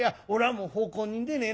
もう奉公人でねえな」。